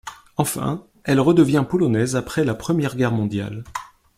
Enfin, elle redevient polonaise après la Première Guerre mondiale.